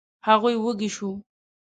هغوی وږي شوو.